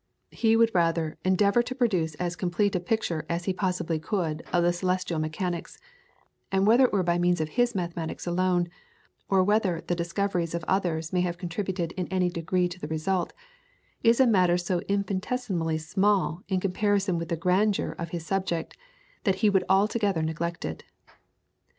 He would rather endeavour to produce as complete a picture as he possibly could of the celestial mechanics, and whether it were by means of his mathematics alone, or whether the discoveries of others may have contributed in any degree to the result, is a matter so infinitesimally insignificant in comparison with the grandeur of his subject that he would altogether neglect it.